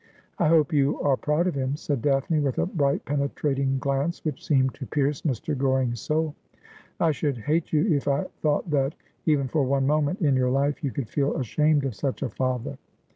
' I hope you are proud of him,' said Daphne, with a bright penetrating glance which seemed to pierce Mr. Goring's soul. ' I should hate you if I thought that, even for one moment in your life, you could feel ashamed of such a father.'